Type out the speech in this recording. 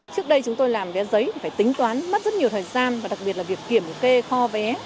trước đây chúng tôi làm vé giấy phải tính toán mất rất nhiều thời gian và đặc biệt là việc kiểm kê kho vé